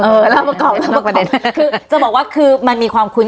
เออเล่าประกอบเล่าประกอบคือจะบอกว่าคือมันมีความคุ้น